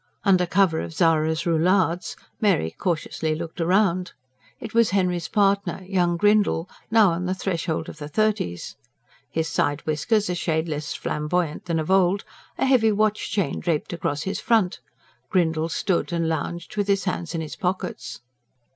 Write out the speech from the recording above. Under cover of Zara's roulades Mary cautiously looked round. It was Henry's partner young Grindle, now on the threshold of the thirties. His side whiskers a shade less flamboyant than of old, a heavy watch chain draped across his front, Grindle stood and lounged with his hands in his pockets.